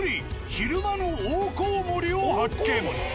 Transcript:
昼間のオオコウモリを発見。